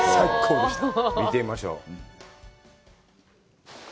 見てみましょう。